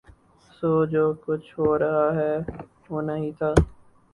سو جو کچھ ہورہاہے ہونا ہی تھا۔